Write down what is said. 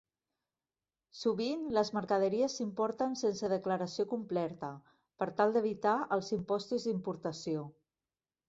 Sovint les mercaderies s'importen sense declaració completa per tal d'evitar els impostos d'importació.